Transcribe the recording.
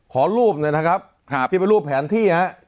ขอรูปหน่อยนะครับที่เป็นรูปแผนที่ฮะ